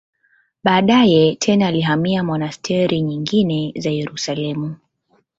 Baadaye tena alihamia monasteri nyingine za Yerusalemu.